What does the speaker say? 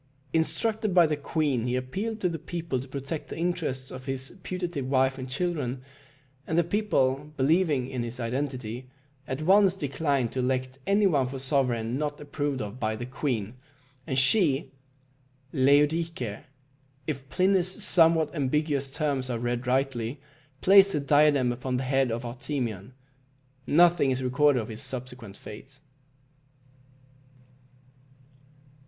Instructed by the queen, he appealed to the people to protect the interests of his putative wife and children; and the people, believing in his identity, at once declined to elect any one for sovereign not approved of by the queen, and she (Laodice), if Pliny's somewhat ambiguous terms are read rightly, placed the diadem upon the head of Artemion. Nothing is recorded of his subsequent fate.